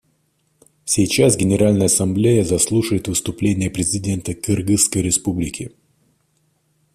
Сейчас Генеральная Ассамблея заслушает выступление президента Кыргызской Республики.